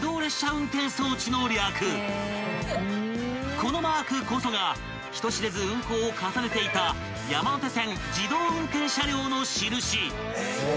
［このマークこそが人知れず運行を重ねていた山手線自動運転車両の印］